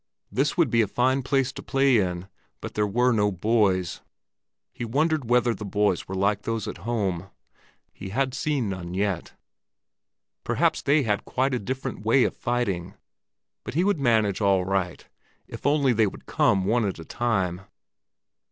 This would be a fine place to play in, but there were no boys! He wondered whether the boys were like those at home; he had seen none yet. Perhaps they had quite a different way of fighting, but he would manage all right if only they would come one at a time.